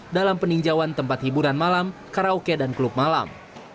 dalam peninjauan tempat hiburan malam karaoke dan klub malam